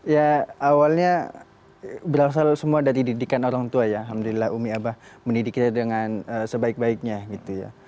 ya awalnya berasal semua dari didikan orang tua ya alhamdulillah umi abah mendidik kita dengan sebaik baiknya gitu ya